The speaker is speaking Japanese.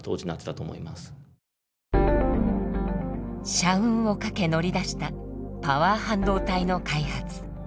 社運をかけ乗り出したパワー半導体の開発。